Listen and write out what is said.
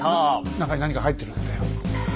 中に何か入ってるんだよ。